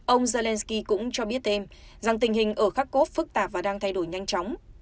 ông zelensky cũng cho biết thêm rằng tình hình ở kharkov phức tạp và đang thay đổi nhanh chóng